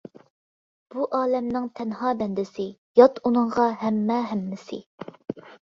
بۇ ئالەمنىڭ تەنھا بەندىسى، يات ئۇنىڭغا ھەممە، ھەممىسى.